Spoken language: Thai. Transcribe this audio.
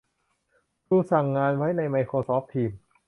ครูสั่งงานไว้ในไมโครซอฟต์ ทีม